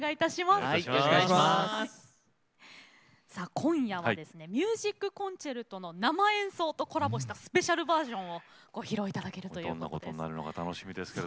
今夜はｍｕｓｉｃｃｏｎｃｅｒｔｏの生演奏とコラボしたスペシャルバージョンをご披露いただけるということなんです。